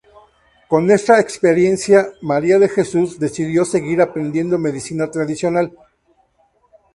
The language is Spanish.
Con esta experiencia María de Jesús decidió seguir aprendiendo medicina tradicional.